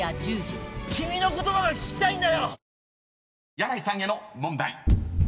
［箭内さんへの問題。